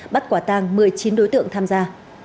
bắt quả tàng một mươi chín đối tượng tham gia